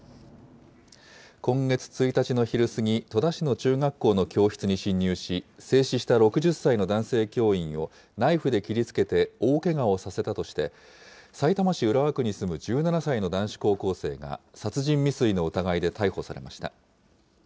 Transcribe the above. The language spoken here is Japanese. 今月１日の昼過ぎ、戸田市の中学校の教室に侵入し、制止した６０歳の男性教員をナイフで切りつけて大けがをさせたとして、さいたま市浦和区に住む１７歳の男子高校生が殺人未遂の疑いで逮捕されました。